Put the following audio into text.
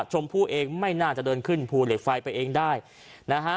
ชมพู่เองไม่น่าจะเดินขึ้นภูเหล็กไฟไปเองได้นะฮะ